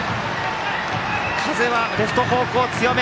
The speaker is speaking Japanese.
風はレフト方向強め。